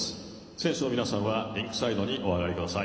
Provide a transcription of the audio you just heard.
選手の皆さんはリンクサイドにおあがりください。